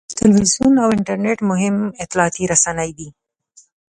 تلویزیون او انټرنېټ مهم اطلاعاتي رسنۍ دي.